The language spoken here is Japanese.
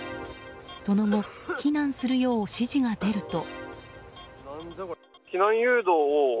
その後避難するよう指示が出ると。